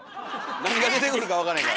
何が出てくるかわからへんから。